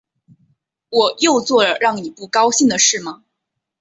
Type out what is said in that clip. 我又做了让你不高兴的事吗